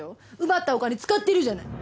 奪ったお金使ってるじゃない！